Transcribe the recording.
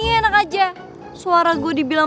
ini enak aja suara gue dibilang